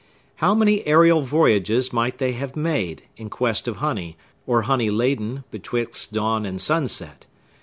How many aerial voyages might they have made, in quest of honey, or honey laden, betwixt dawn and sunset!